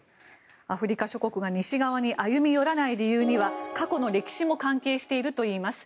アフリカ諸国が西側に歩み寄らない理由には過去の歴史も関係しているといいます。